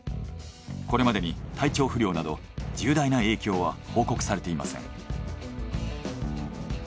これまでに体調不良など重大な影響は報告されていません。